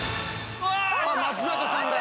松坂さんだ